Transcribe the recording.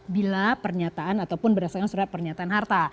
bila pernyataan ataupun berdasarkan surat pernyataan harta